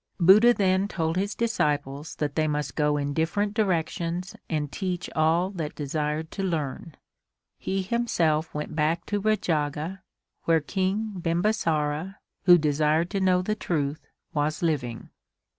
Buddha then told his disciples that they must go in different directions and teach all that desired to learn. He himself went back to Rajagha where King Bimbasara, who desired to know the truth, was living.